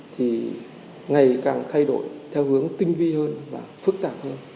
thì ngày càng thay đổi theo hướng tinh vi hơn và phức tạp hơn